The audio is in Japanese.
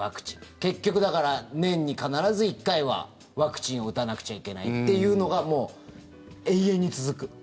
結局だから、年に必ず１回はワクチンを打たなくちゃいけないっていうのが、もう永遠に続く。